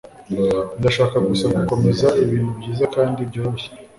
Ndashaka gusa gukomeza ibintu byiza kandi byoroshye.